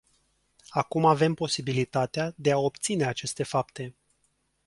Acum avem posibilitatea de a obține aceste fapte.